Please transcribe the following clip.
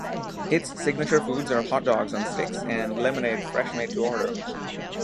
Its signature foods are hot dogs on sticks and lemonade fresh made to order.